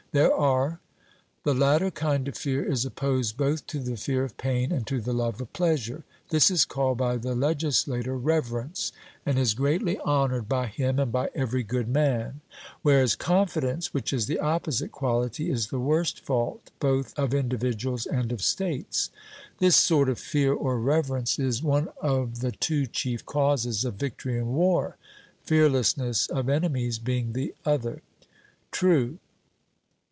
'There are.' The latter kind of fear is opposed both to the fear of pain and to the love of pleasure. This is called by the legislator reverence, and is greatly honoured by him and by every good man; whereas confidence, which is the opposite quality, is the worst fault both of individuals and of states. This sort of fear or reverence is one of the two chief causes of victory in war, fearlessness of enemies being the other. 'True.'